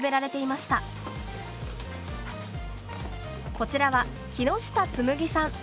こちらは木下紬さん。